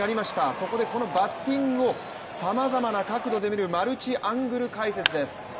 そこでこのバッティングをさまざまな角度で見るマルチアングル解説です。